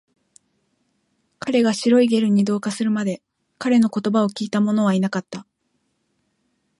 彼が白いゲルに同化するまで、彼の言葉を聞いたものはいなかった